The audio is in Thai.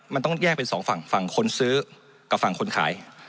มันต้องแยกเป็นสองฝั่งฝั่งคนซื้อกับฝั่งคนขาย